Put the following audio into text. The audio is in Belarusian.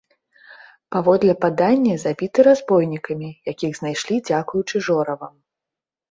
Паводле падання, забіты разбойнікамі, якіх знайшлі дзякуючы жоравам.